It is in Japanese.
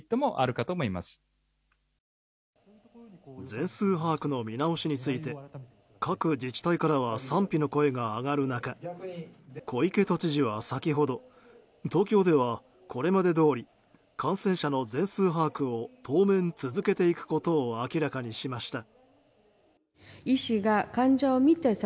全数把握の見直しについて各自治体からは賛否の声が上がる中小池都知事は、先ほど東京では、これまでどおり感染者の全数把握を当面、続けていくことを明らかにしました。